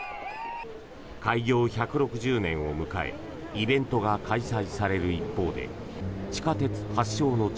開業１６０年を迎えイベントが開催される一方で地下鉄発祥の地